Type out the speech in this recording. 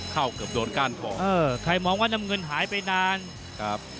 เกือบโดนก้านคอเออใครมองว่าน้ำเงินหายไปนานครับ